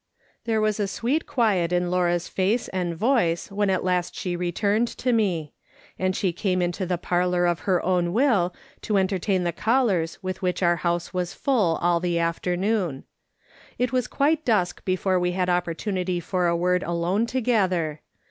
There was a sweet quiet in Laura's face and voice when at last she returned to me ; and she came into the parlour of her own will to entertain the callers with which our house was full all the afternoon. It was quite dusk before we had opportunity for a word alone together.